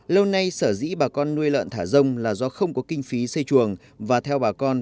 lâu nay sở dĩ bà con nuôi lợn thả rông là do không có kinh phí xây chuồng và theo bà con